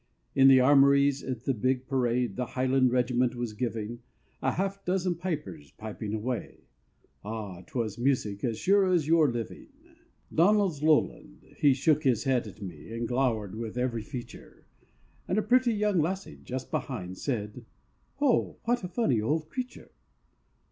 In the armories, at the big parade The highland regiment was giving, A half dozen pipers piping away Ah! 'twas music, as sure as your living. Donald's lowland, he shook his head at me, And glowered with every feature, And a pretty young lassie just behind Said: "Oh, what a funny old creature!"